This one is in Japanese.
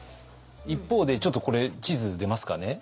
一方でちょっとこれ地図出ますかね。